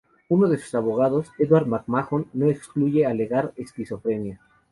Uno de sus abogados, "Edward MacMahon", no excluye alegar esquizofrenia.